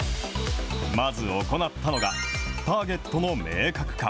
まず行ったのが、ターゲットの明確化。